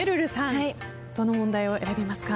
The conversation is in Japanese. どの問題を選びますか？